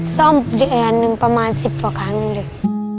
ซ่อมเดือนหนึ่งประมาณ๑๐กว่าครั้งเลย